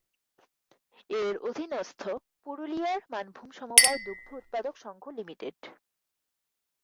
এর অধীনস্থ পুরুলিয়ার মানভূম সমবায় দুগ্ধ উৎপাদক সঙ্ঘ লিমিটেড।